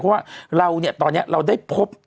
เพราะว่าเราเนี่ยตอนนี้เราได้พบ